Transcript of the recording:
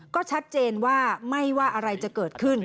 ก็ชัดเจนว่าไม่ว่าอะไรจะเกิดขึ้น